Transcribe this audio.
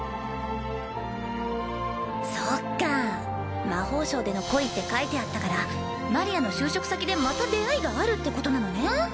そっか「魔法省での恋」って書いてあったからマリアの就職先でまた出会いがあるってことなのね。